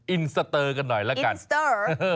อิงสเหอะเติร์ย์กันหน่อยละกันอิงสเติร์ย์เห่อ